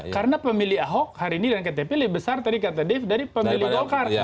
karena pemilih ahok hari ini dan ketepil lebih besar dari pemilih golkar